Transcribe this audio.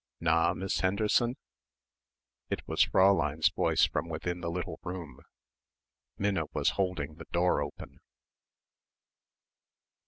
"Na Miss Henderson?" It was Fräulein's voice from within the little room. Minna was holding the door open.